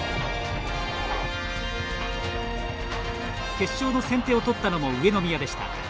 決勝の先手を取ったのも上宮でした。